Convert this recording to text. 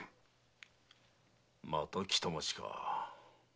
また北町か。